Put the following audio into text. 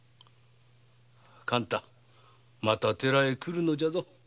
勘太また寺へ来るのだぞ。